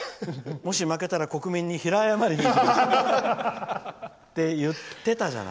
もし負けたら、国民に平謝りしますって言ってたじゃない。